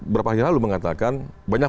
berapa hari lalu mengatakan banyak